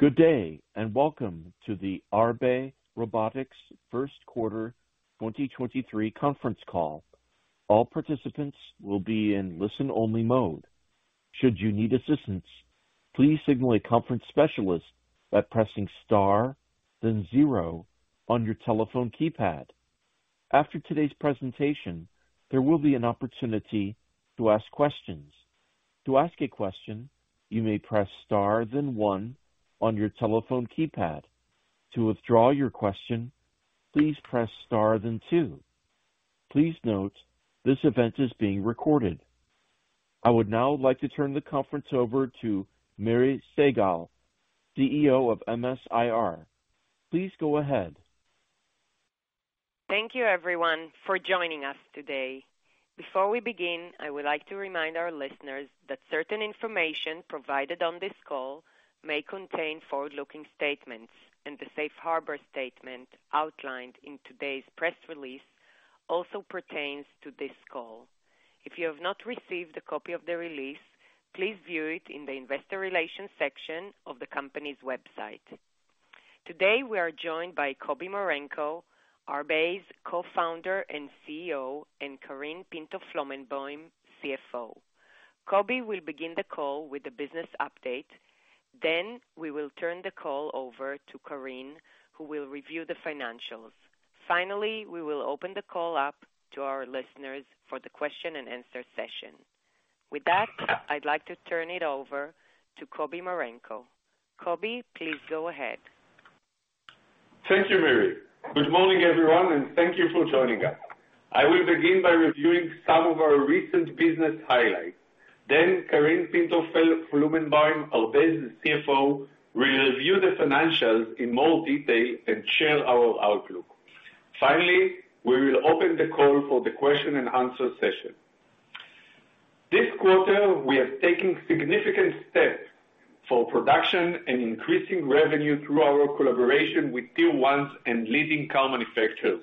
Good day and welcome to the Arbe Robotics Q1 2023 conference call. All participants will be in listen-only mode. Should you need assistance, please signal a conference specialist by pressing star then zero on your telephone keypad. After today's presentation, there will be an opportunity to ask questions. To ask a question, you may press star then one on your telephone keypad. To withdraw your question, please press star then two. Please note this event is being recorded. I would now like to turn the conference over to Miri Segal-Scharia, CEO of MS-IR. Please go ahead. Thank you everyone for joining us today. Before we begin, I would like to remind our listeners that certain information provided on this call may contain forward-looking statements and the safe harbor statement outlined in today's press release also pertains to this call. If you have not received a copy of the release, please view it in the investor relations section of the company's website. Today, we are joined by Kobi Marenko, Arbe's Co-Founder and CEO, and Karine Pinto-Flomenboim, CFO. Kobi will begin the call with a business update, then we will turn the call over to Karine, who will review the financials. Finally, we will open the call up to our listeners for the question and answer session. With that, I'd like to turn it over to Kobi Marenko. Kobi, please go ahead. Thank you Miri. Good morning everyone and thank you for joining us. I will begin by reviewing some of our recent business highlights. Karine Pinto-Flomenboim, our business CFO, will review the financials in more detail and share our outlook. Finally, we will open the call for the question and answer session. This quarter we have taken significant steps for production and increasing revenue through our collaboration with Tier 1s and leading car manufacturers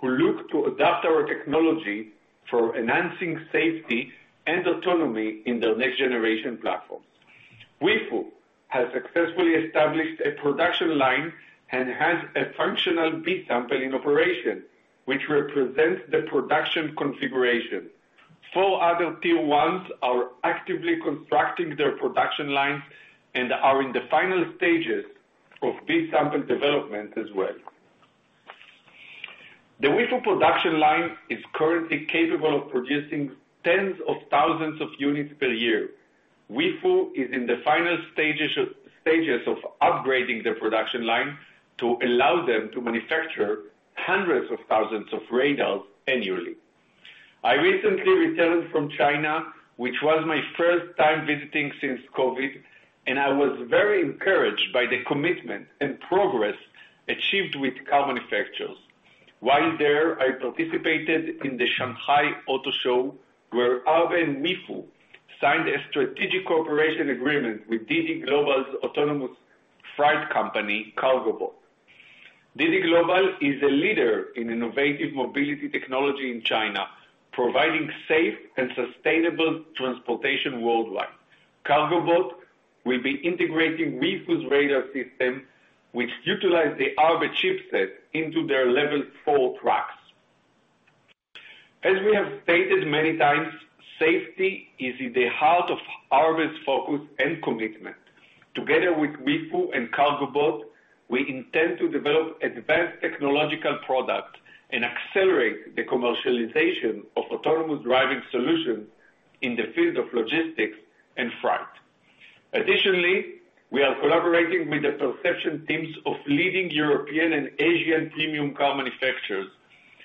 who look to adapt our technology for enhancing safety and autonomy in their next-generation platform. Weifu has successfully established a production line and has a functional B sample operation which represents the production configuration. Four other Tier 1s are actively constructing their production lines and are in the final stages of B sample development as well. The Weifu production line is currently capable of producing tens of thousands of units per year. Weifu is in the final stages of upgrading their production line to allow them to manufacture hundreds of thousands of radars annually. I recently returned from China, which was my first time visiting since COVID and I was very encouraged by the commitment and progress achieved with car manufacturers. While there, I participated in the Shanghai Auto Show, where Arbe and Weifu signed a strategic cooperation agreement with DiDi Global's autonomous freight company, KargoBot. DiDi Global is a leader in innovative mobility technology in China, providing safe and sustainable transportation worldwide. KargoBot will be integrating Weifu's radar system, which utilize the Arbe chipset into their Level 4 trucks. As we have stated many times, safety is at the heart of Arbe's focus and commitment. Together with Weifu and KargoBot, we intend to develop advanced technological product and accelerate the commercialization of autonomous driving solution in the field of logistics and freight. Additionally, we are collaborating with the perception teams of leading European and Asian premium car manufacturers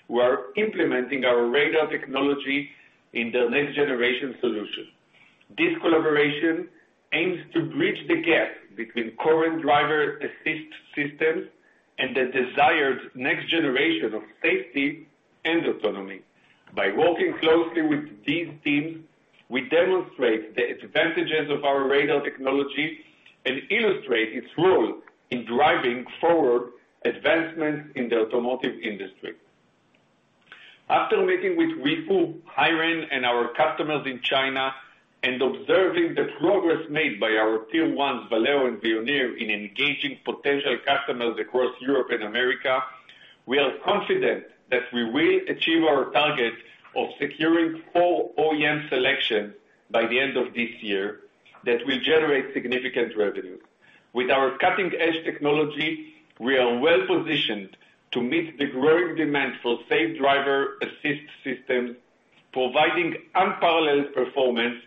who are implementing our radar technology in their next generation solution. This collaboration aims to bridge the gap between current driver assist systems and the desired next generation of safety and autonomy. By working closely with these teams, we demonstrate the advantages of our radar technology and illustrate its role in driving forward advancements in the automotive industry. After meeting with Weifu, HiRain, and our customers in China and observing the progress made by our Tier 1, Valeo and Veoneer, in engaging potential customers across Europe and America, we are confident that we will achieve our target of securing four OEM selection by the end of this year that will generate significant revenue. With our cutting-edge technology, we are well-positioned to meet the growing demand for safe driver assist systems providing unparalleled performance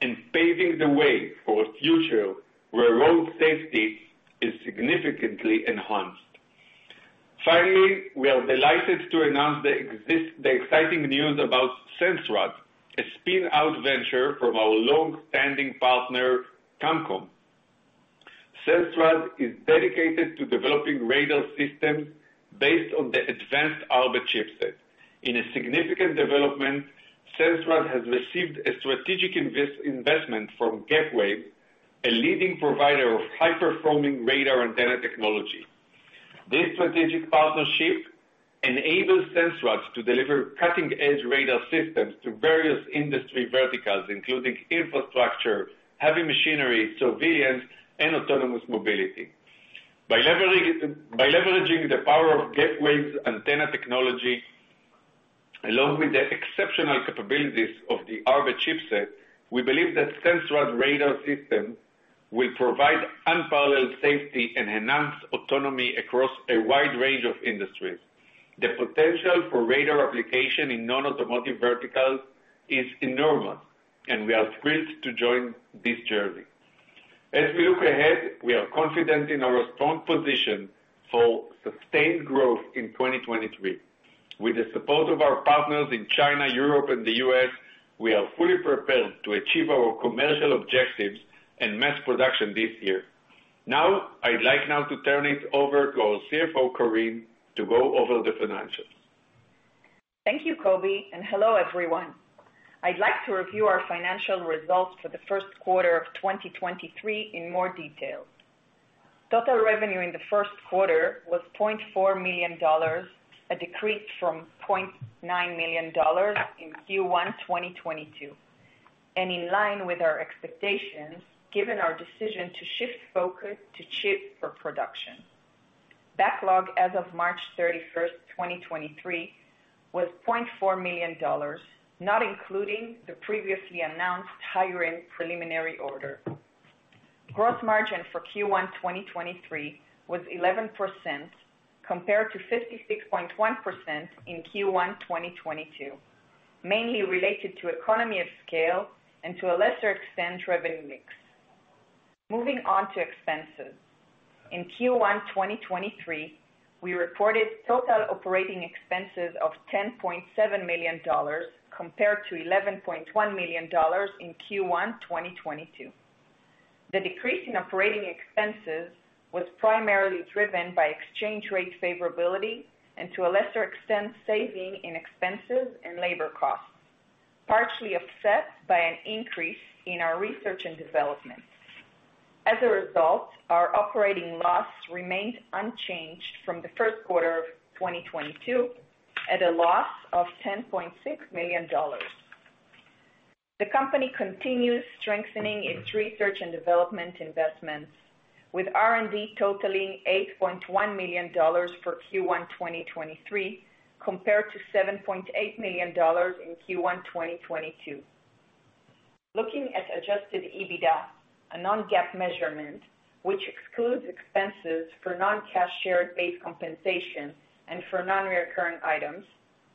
and paving the way for a future where road safety is significantly enhanced. Finally, we are delighted to announce the exciting news about Sensrad, a spin-out venture from our long-standing partner, Qamcom. Sensrad is dedicated to developing radar systems based on the advanced Arbe chipset. In a significant development, Sensrad has received a strategic investment from Gapwaves, a leading provider of high-performing radar antenna technology. This strategic partnership enables Sensrad to deliver cutting-edge radar systems to various industry verticals, including infrastructure, heavy machinery, surveillance, and autonomous mobility. By leveraging the power of Gapwaves' antenna technology, along with the exceptional capabilities of the Arbe chipset, we believe that Sensrad radar system will provide unparalleled safety and enhanced autonomy across a wide range of industries. The potential for radar application in non-automotive verticals is enormous. We are thrilled to join this journey. As we look ahead, we are confident in our strong position for sustained growth in 2023. With the support of our partners in China, Europe, and the U.S., we are fully prepared to achieve our commercial objectives and mass production this year. Now, I'd like now to turn it over to our CFO, Karine, to go over the financials. Thank you Kobi and hello everyone. I'd like to review our financial results for the Q1 of 2023 in more detail. Total revenue in the Q1 was $0.4 million a decrease from $0.9 million in Q1 2022. In line with our expectations, given our decision to shift focus to chip for production. Backlog as of March 31, 2023 was $0.4 million, not including the previously announced HiRain preliminary order. Gross margin for Q1 2023 was 11% compared to 56.1% in Q1 2022, mainly related to economy of scale and to a lesser extent revenue mix. Moving on to expenses. In Q1 2023, we reported total operating expenses of $10.7 million compared to $11.1 million in Q1 2022. The decrease in operating expenses was primarily driven by exchange rate favorability and to a lesser extent saving in expenses and labor costs, partially offset by an increase in our research and development. As a result, our operating loss remained unchanged from the Q1 of 2022 at a loss of $10.6 million. The company continues strengthening its research and development investments, with R&D totaling $8.1 million for Q1 2023 compared to $7.8 million in Q1 2022. Looking at adjusted EBITDA, a non-GAAP measurement, which excludes expenses for non-cash shared-based compensation and for non-reoccurring items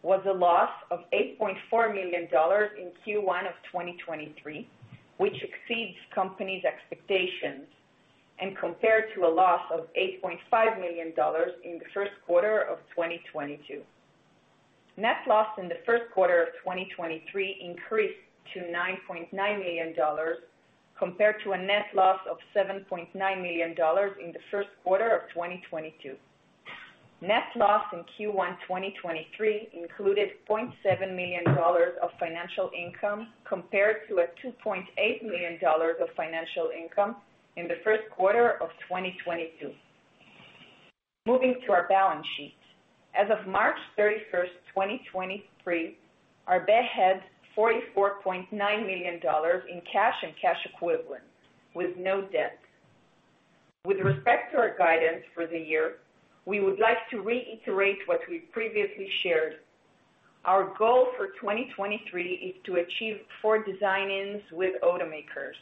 was a loss of $8.4 million in Q1 2023 which exceeds company's expectations and compared to a loss of $8.5 million in the Q1 of 2022. Net loss in the Q1 of 2023 increased to $9.9 million compared to a net loss of $7.9 million in the Q1 of 2022. Net loss in Q1 2023 included $0.7 million of financial income compared to a $2.8 million of financial income in the Q1 of 2022. Moving to our balance sheet. As of March 31st, 2023, Arbe had $44.9 million in cash and cash equivalent with no debt. With respect to our guidance for the year, we would like to reiterate what we previously shared. Our goal for 2023 is to achieve four design-ins with automakers.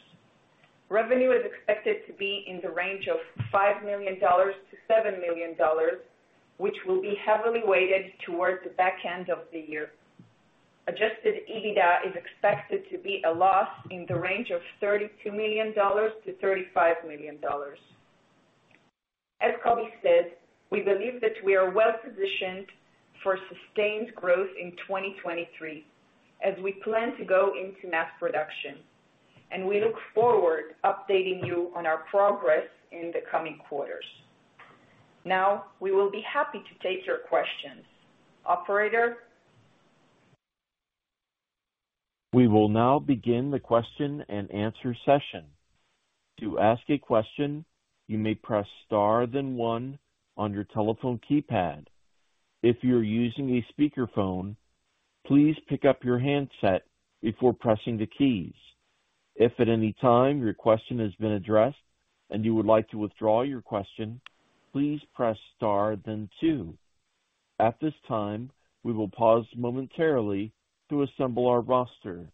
Revenue is expected to be in the range of $5 million-$7 million, which will be heavily weighted towards the back end of the year. Adjusted EBITDA is expected to be a loss in the range of $32 million-$35 million. As Kobi said, we believe that we are well-positioned for sustained growth in 2023 as we plan to go into mass production and we look forward updating you on our progress in the coming quarters. Now, we will be happy to take your questions. Operator? We will now begin the question and answer session. To ask a question, you may press star then one on your telephone keypad. If you're using a speakerphone, please pick up your handset before pressing the keys. If at any time your question has been addressed and you would like to withdraw your question, please press star then two. At this time, we will pause momentarily to assemble our roster.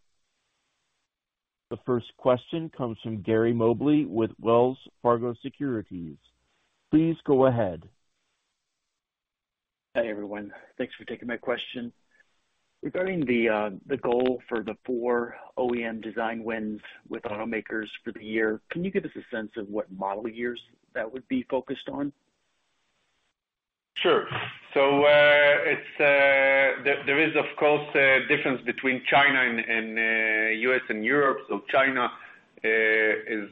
The first question comes from Gary Mobley with Wells Fargo Securities. Please go ahead. Hi everyone. Thanks for taking my question. Regarding the goal for the four OEM design wins with automakers for the year, can you give us a sense of what model years that would be focused on? Sure. It's, there is, of course, a difference between China and U.S. and Europe. China is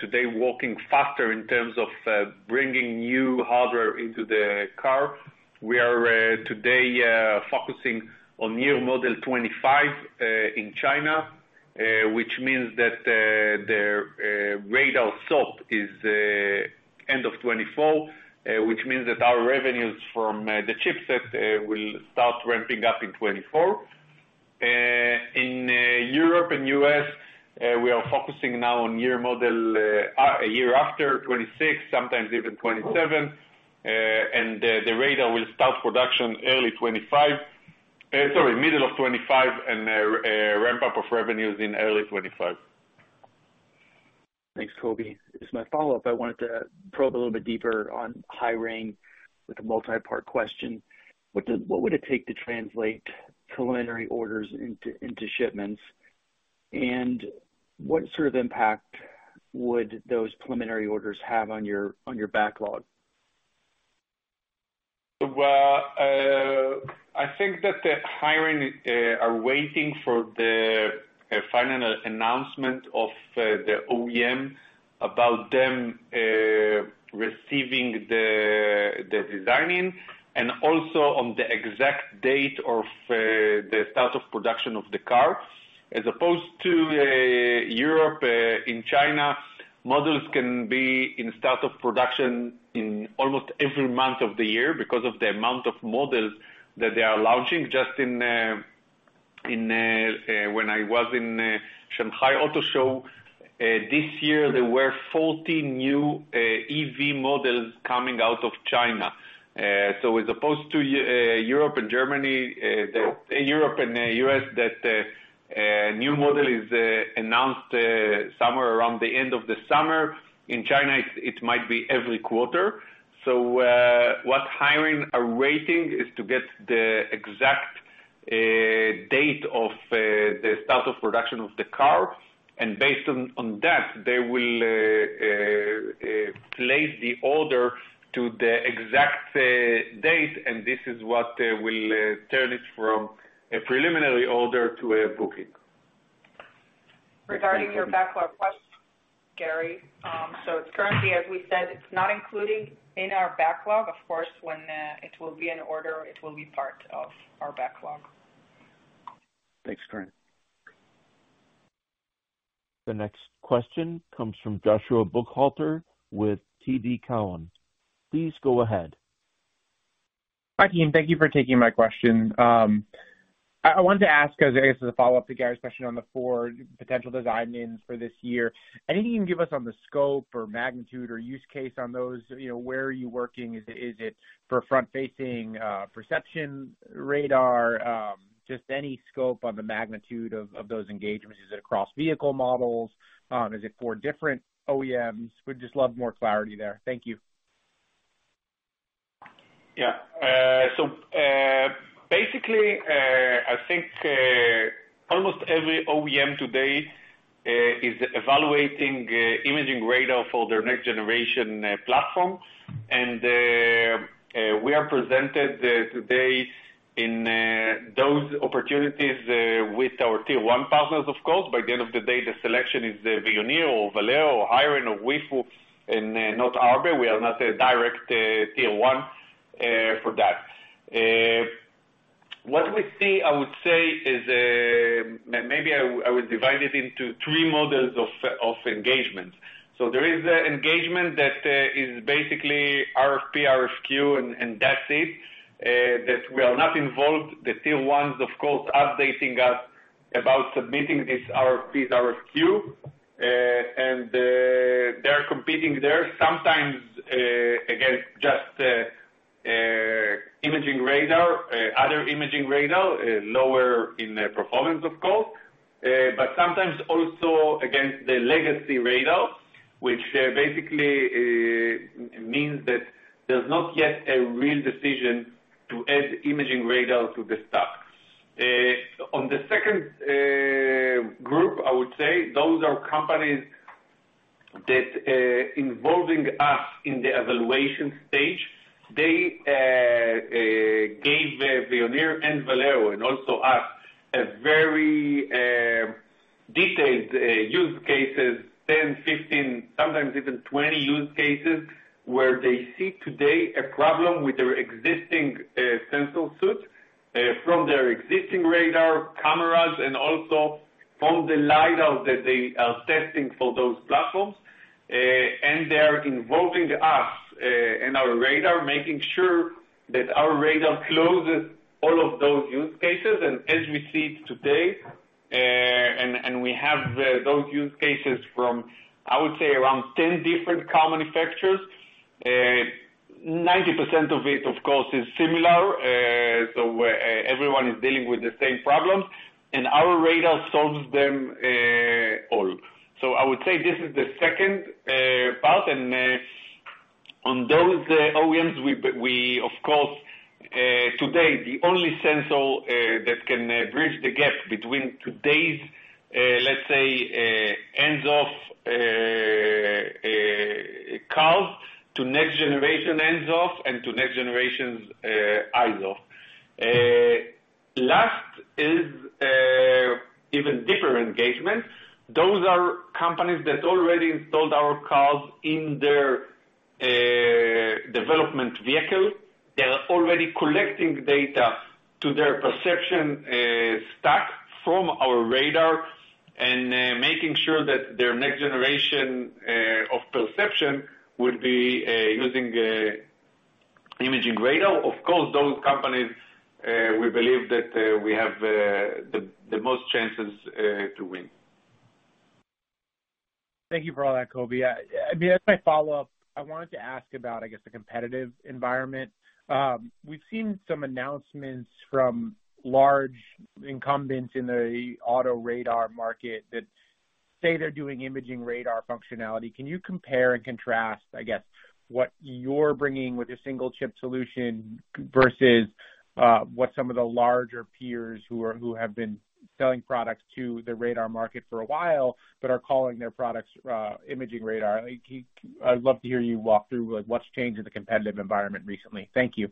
today working faster in terms of bringing new hardware into the car. We are today focusing on new model 2025 in China. Which means that their radar sort is end of 2024, which means that our revenues from the chipset will start ramping up in 2024. In Europe and U.S. we are focusing now on year model, a year after 2026 sometimes even 2027. The radar will start production early 2025. Sorry, middle of 2025 and ramp up of revenues in early 2025. Thanks, Kobi. As my follow-up, I wanted to probe a little bit deeper on HiRain with a multi-part question. What would it take to translate preliminary orders into shipments? What sort of impact would those preliminary orders have on your backlog? Well, I think that HiRain are waiting for the final announcement of the OEM about them receiving the design-in and also on the exact date of the start of production of the car. Opposed to Europe, in China, models can be in start of production in almost every month of the year because of the amount of models that they are launching. Just in when I was in Shanghai Auto Show this year, there were 40 new EV models coming out of China. Opposed to Europe and Germany, Europe and U.S. that new model is announced somewhere around the end of the summer. In China, it might be every quarter. What HiRain are waiting is to get the exact date of the start of production of the car, and based on that, they will place the order to the exact date. This is what will turn it from a preliminary order to a booking. Regarding your backlog question, Gary. It's currently, as we said, it's not included in our backlog. Of course, when it will be an order it will be part of our backlog. Thanks Karine. The next question comes from Joshua Buchalter with TD Cowen. Please go ahead. Hi team. Thank you for taking my question. I wanted to ask as, I guess, as a follow-up to Gary's question on the four potential design-ins for this year. Anything you can give us on the scope or magnitude or use case on those? You know, where are you working? Is it for front-facing perception radar? Just any scope on the magnitude of those engagements. Is it across vehicle models? Is it for different OEMs? Would just love more clarity there. Thank you. Yeah. Basically, I think almost every OEM today is evaluating imaging radar for their next generation platform. And we are presented today in those opportunities with our Tier 1 partners, of course. By the end of the day, the selection is the Veoneer or Valeo or HiRain or Weifu and not Arbe. We are not a direct Tier 1 for that. What we see, I would say, is maybe I will divide it into 3 models of engagement. There is engagement that is basically RFP, RFQ, and that's it. That we are not involved. The Tier 1s, of course, updating us about submitting this RFPs, RFQ. They're competing there sometimes against just imaging radar, other imaging radar, lower in performance of course, but sometimes also against the legacy radar, which basically means that there's not yet a real decision to add imaging radar to the stack. On the second group, I would say, those are companies that involving us in the evaluation stage. They gave Veoneer and Valeo and also us a very detailed use cases, 10, 15, sometimes even 20 use cases, where they see today a problem with their existing sensor suite, from their existing radar cameras and also from the LiDAR that they are testing for those platforms. They are involving us and our radar, making sure that our radar closes all of those use cases. As we see it today, and we have, those use cases from, I would say, around 10 different car manufacturers. 90% of it, of course, is similar. Everyone is dealing with the same problems and our radar solves them, all. I would say this is the second part. On those, OEMs, we of course, today the only sensor that can bridge the gap between today's, let's say, ends of cars to next generation ends of and to next generations, eyes of. Last is, even deeper engagement. Those are companies that already installed our cars in their development vehicle. They are already collecting data to their perception stock from our radar and making sure that their next generation of perception would be using imaging radar. Of course, those companies, we believe that we have the most chances to win. Thank you for all that, Kobi. As my follow-up, I wanted to ask about, I guess, the competitive environment. We've seen some announcements from large incumbents in the auto radar market that say they're doing imaging radar functionality. Can you compare and contrast, I guess, what you're bringing with your single chip solution versus what some of the larger peers who have been selling products to the radar market for a while, but are calling their products imaging radar? Like, I'd love to hear you walk through, like, what's changed in the competitive environment recently. Thank you.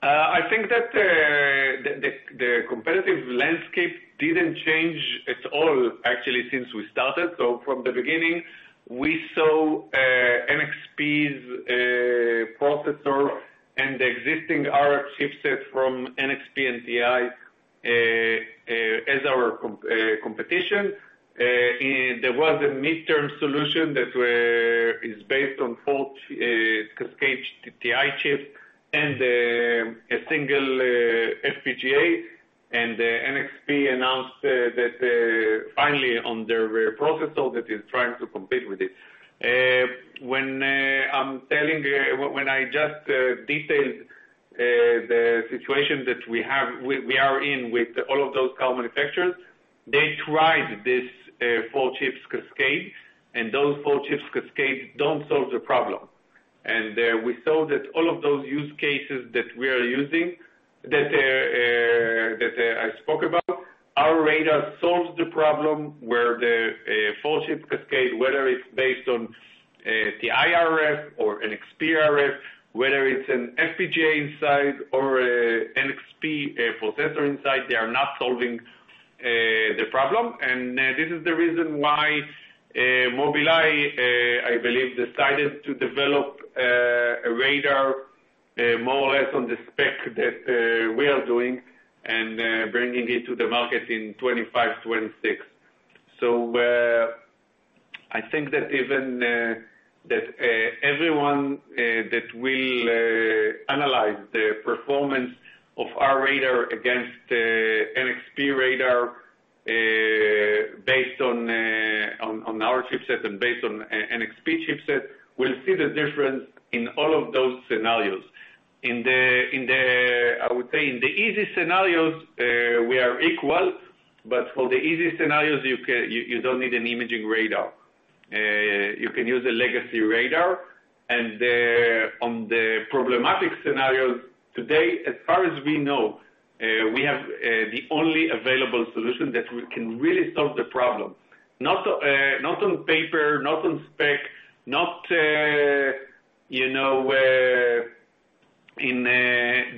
I think that the competitive landscape didn't change at all actually since we started. From the beginning we saw NXP's processor and the existing RF chipset from NXP and TI as our competition. And there was a midterm solution that is based on both cascaded TI chip and a single FPGA. NXP announced that finally on their processor that is trying to compete with it. When I just detailed the situation that we are in with all of those car manufacturers, they tried this four-chips cascade and those four-chips cascade don't solve the problem. We saw that all of those use cases that we are using that I spoke about, our radar solves the problem where the four chip cascade whether it's based on the TI RF or NXP RF, whether it's an FPGA inside or an NXP processor inside, they are not solving the problem. This is the reason why Mobileye I believe decided to develop a radar more or less on the spec that we are doing and bringing it to the market in 2025, 2026. I think that even that everyone that will analyze the performance of our radar against NXP radar based on our chipset and based on NXP chipset will see the difference in all of those scenarios. I would say in the easy scenarios, we are equal, but for the easy scenarios, you don't need an imaging radar. You can use a legacy radar. On the problematic scenarios today, as far as we know, we have the only available solution that we can really solve the problem, not on paper, not on spec, not, you know, in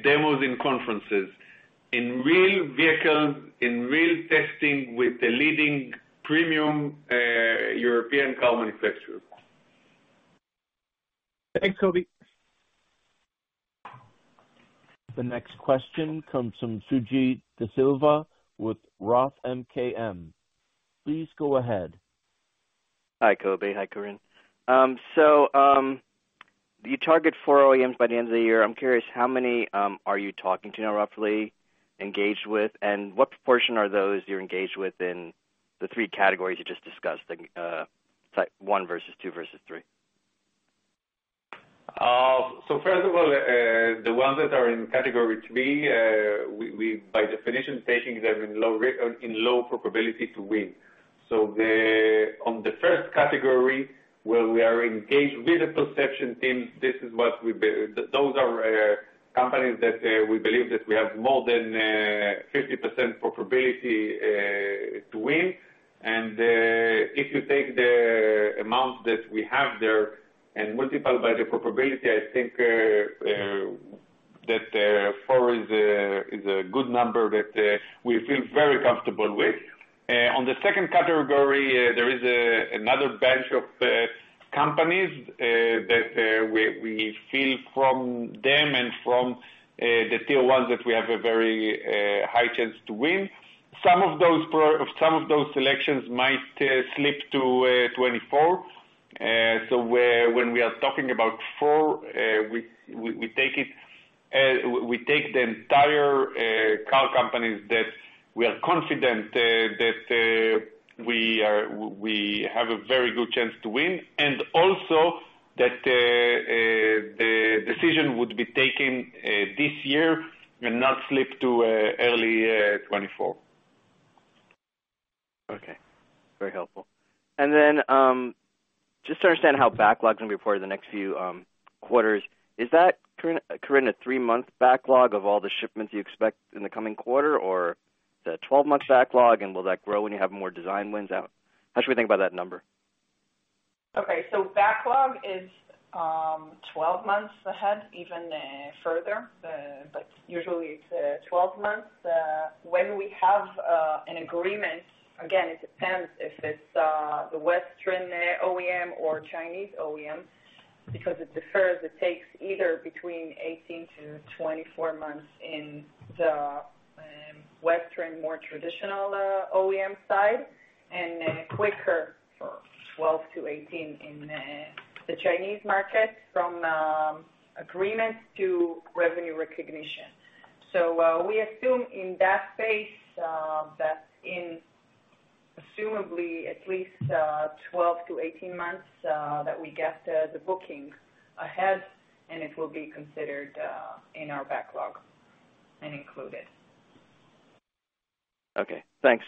demos in conferences, in real vehicles, in real testing with the leading premium European car manufacturer. Thanks Kobi. The next question comes from Suji Desilva with Roth MKM. Please go ahead. Hi Kobi. Hi Karine. You target four OEMs by the end of the year. I'm curious, how many are you talking to now, roughly, engaged with? What proportion are those you're engaged with in the three categories you just discussed, like one versus two versus three? First of all, the ones that are in category three, we by definition taking them in low probability to win. On the first category where we are engaged with the perception team, this is what we be, those are companies that, we believe that we have more than 50% probability to win. If you take the amount that we have there and multiply by the probability, I think that four is a good number that we feel very comfortable with. On the second category, there is another bunch of companies that we feel from them and from the Tier 1s that we have a very high chance to win. Some of those selections might slip to 2024. When we are talking about four, we take it, we take the entire car companies that we are confident that we have a very good chance to win. Also that the decision would be taken this year and not slip to early 2024. Okay. Very helpful. Just to understand how backlog is gonna be reported in the next few quarters. Is that Karine, a three-month backlog of all the shipments you expect in the coming quarter, or is that a 12-month backlog, and will that grow when you have more design wins out? How should we think about that number? Okay. Backlog is 12 months ahead, even further, but usually it's 12 months. When we have an agreement, again, it depends if it's the Western OEM or Chinese OEM, because it differs. It takes either between 18-24 months in the Western more traditional OEM side and quicker for 12-18 in the Chinese market from agreement to revenue recognition. We assume in that space that in assumably at least 12-18 months that we get the booking ahead and it will be considered in our backlog and included. Okay thanks.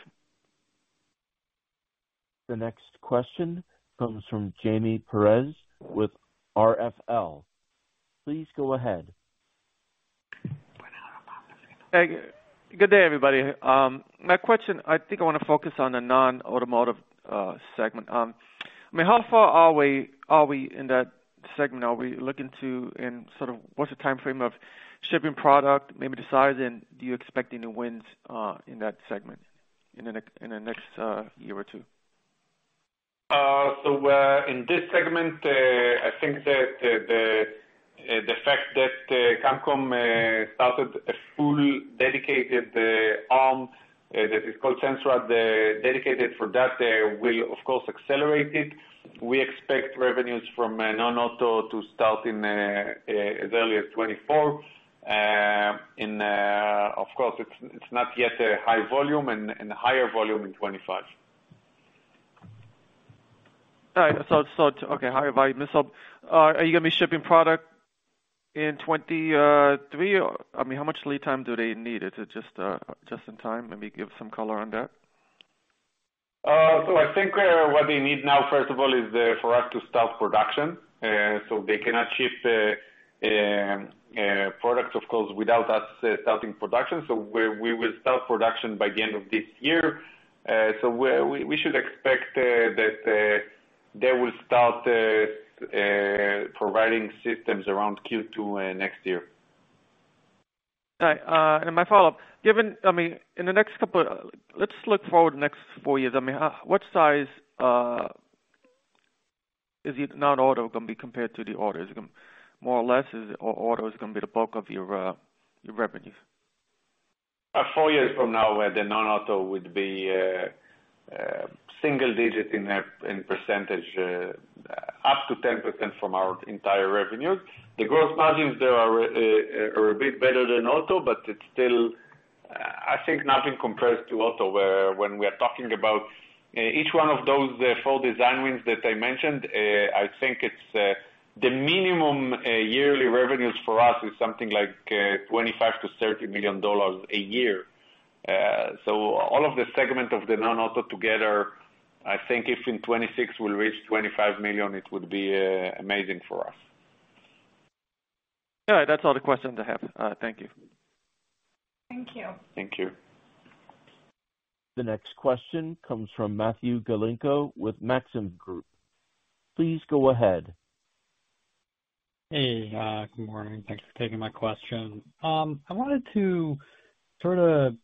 The next question comes from Jaime Perez with RFL. Please go ahead. Good day everybody. My question, I think I wanna focus on the non-automotive segment. I mean, how far are we in that segment? Sort of what's the timeframe of shipping product, maybe the size and do you expect any wins in that segment in the next year or two? In this segment, I think that the, the fact that Qamcom started a full dedicated arm that is called Sensrad, dedicated for that will of course accelerate it. We expect revenues from non-auto to start in as early as 2024. Of course, it's not yet a high volume and higher volume in 2025. All right. Okay, higher volume. Are you gonna be shipping product in 2023 or I mean, how much lead time do they need? Is it just in time? Let me give some color on that. I think what they need now, first of all, is the, for us to start production, they cannot ship products of course without us starting production. We will start production by the end of this year. We should expect that they will start providing systems around Q2 next year. All right. My follow-up, given, I mean, in the next couple, let's look forward the next four years. What size is it non-auto gonna be compared to the auto? Is it gonna more or less is auto gonna be the bulk of your revenues? Four years from now, the non-auto would be single-digit in percentage up to 10% from our entire revenue. The growth margins there are a bit better than auto, but it's still I think nothing compares to auto where when we are talking about each one of those 4 design wins that I mentioned, I think it's the minimum yearly revenues for us is something like $25 million-$30 million a year. All of the segment of the non-auto together, I think if in 2026 we'll reach $25 million it would be amazing for us. All right. That's all the questions I have. Thank you. Thank you. The next question comes from Matthew Galinko with Maxim Group. Please go ahead. Hey good morning. Thanks for taking my question. I wanted to sort of,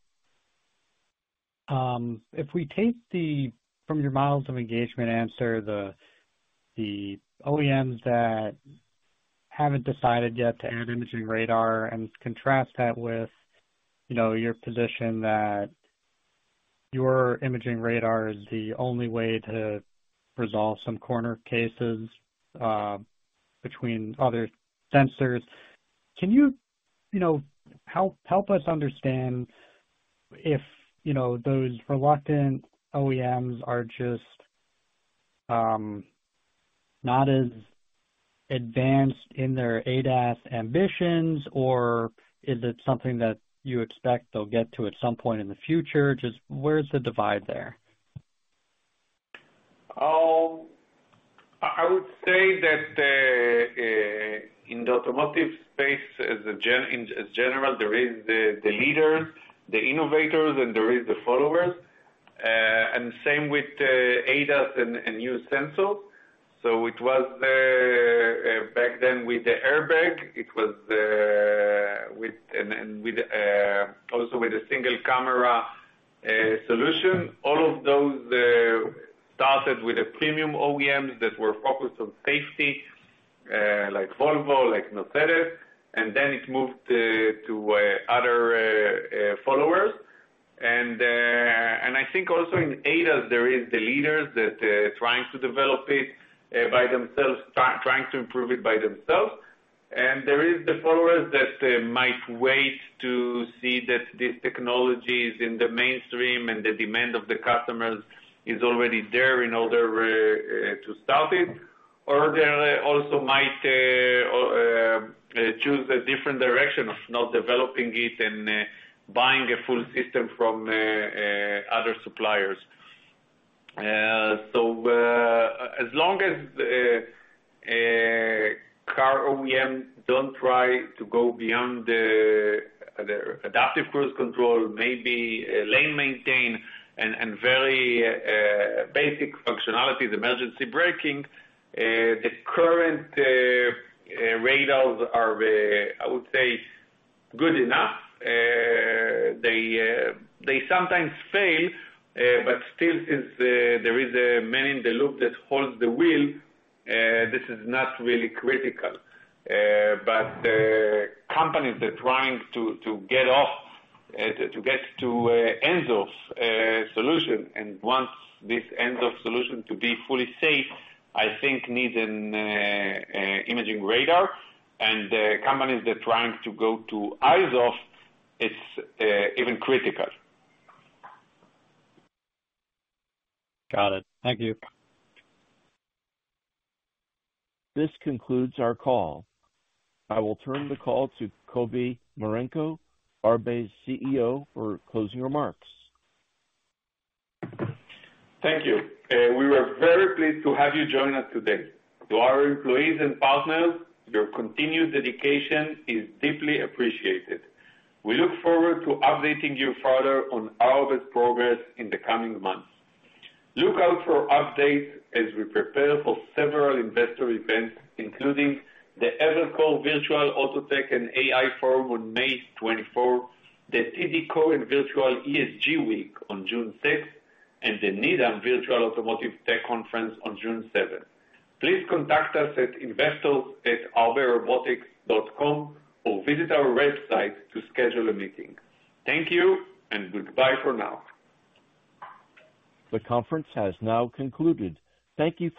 if we take the, from your models of engagement answer, the OEMs that haven't decided yet to add imaging radar and contrast that with, you know, your position that your imaging radar is the only way to resolve some corner cases, between other sensors. Can you know, help us understand if, you know, those reluctant OEMs are just, not as advanced in their ADAS ambitions or is it something that you expect they'll get to at some point in the future? Just where's the divide there? I would say that in the automotive space as general, there is the leaders, the innovators, and there is the followers. Same with ADAS and new sensors. It was back then with the airbag, it was with and with also with a single camera solution. All of those started with a premium OEMs that were focused on safety like Volvo, like Mercedes, and then it moved to other followers. I think also in ADAS there is the leaders that trying to develop it by themselves, trying to improve it by themselves. There is the followers that might wait to see that this technology is in the mainstream and the demand of the customers is already there in order to start it. They also might choose a different direction of not developing it and buying a full system from other suppliers. As long as car OEM don't try to go beyond the adaptive cruise control maybe lane maintain and very basic functionalities, emergency braking, the current radars are I would say good enough. They sometimes fail but still since there is a man in the loop that holds the wheel, this is not really critical. The companies are trying to get off to get to ends of solution. Once this ends of solution to be fully safe I think needs an imaging radar and the companies are trying to go to eyes off is even critical. Got it. Thank you. This concludes our call. I will turn the call to Kobi Marenko, Arbe's CEO, for closing remarks. Thank you. We were very pleased to have you join us today. To our employees and partners, your continued dedication is deeply appreciated. We look forward to updating you further on our best progress in the coming months. Look out for updates as we prepare for several investor events including the Evercore Virtual AutoTech and AI Forum on May 24th, the TD Cowen Virtual ESG Week on June 6th, and the Needham Virtual Automotive Tech Conference on June 7th. Please contact us at investors@arberobotics.com or visit our website to schedule a meeting. Thank you and goodbye for now. The conference has now concluded. Thank you.